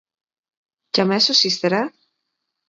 Και αμέσως ύστερα: